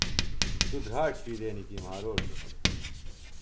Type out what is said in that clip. توۡ دھراڇ شوی دینِیۡ کِہ مھاروڇوۡ؟